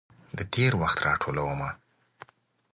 د تیروخت راټولومه